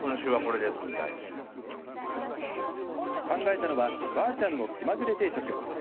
考えたのはばあちゃんの気まぐれ定食。